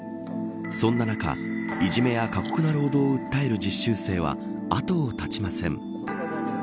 そんな中、いじめや過酷な労働を訴える実習生は後を絶ちません。